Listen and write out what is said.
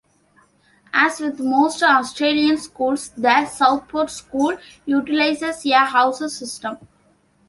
As with most Australian schools, The Southport School utilises a house system.